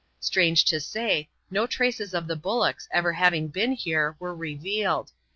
Strange to say, no traces of the bullocks ever having been here were revealed.